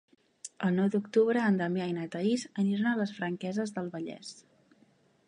El nou d'octubre en Damià i na Thaís aniran a les Franqueses del Vallès.